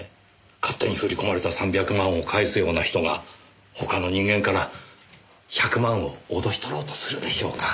勝手に振り込まれた３００万を返すような人が他の人間から１００万を脅し取ろうとするでしょうか？